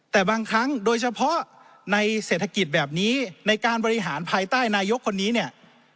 แต่บางครั้งโดยเฉพาะในเศรษฐกิจแบบนี้ในการบริหารภายใต้นายกคนนี้เนี่ย